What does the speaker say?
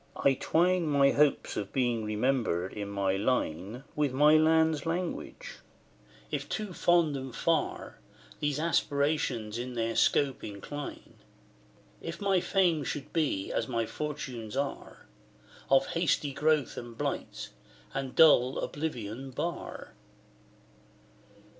I twine My hopes of being remembered in my line With my land's language: if too fond and far These aspirations in their scope incline, If my fame should be, as my fortunes are, Of hasty growth and blight, and dull Oblivion bar.